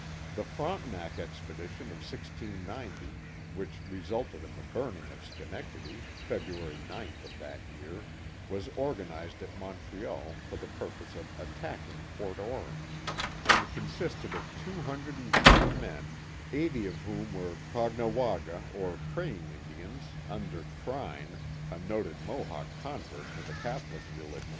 The Frontenac expedition of 1690, which resulted in the burning of Schenectady, February 9th, of that year, was organized at Montreal for the purpose of attacking Fort Orange, and consisted of two hundred and ten men, eighty of whom were Caughnawaga, or Praying Indians, un der Kryn, a noted Mohawk convert to the Catholic religion.